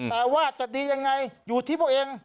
แต่ว่าจะดียังไงอยู่ที่ตัวเอง